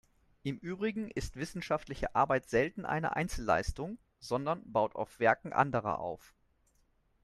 Im Übrigen ist wissenschaftliche Arbeit selten eine Einzelleistung, sondern baut auf Werken anderer auf.